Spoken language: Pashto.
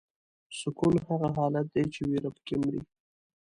سکون هغه حالت دی چې ویره پکې مري.